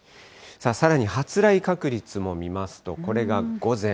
さらに発雷確率も見ますと、これが午前。